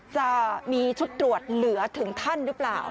จะมีชุดตรวจเหลือถึงท่านหรือเปล่า